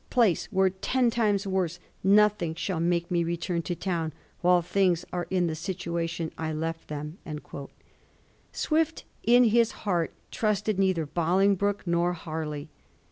47 place were ten times worse, nothing shall make me retmn to town while things are in the situation I left them/ Swift, in his heart, trusted neither Bolingbroke nor Harley.